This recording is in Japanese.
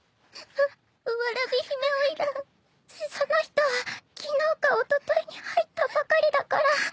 その人は昨日かおとといに入ったばかりだから。